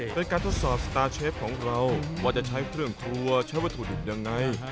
โดยการทดสอบสตาร์เชฟของเราว่าจะใช้เครื่องครัวใช้วัตถุดิบยังไง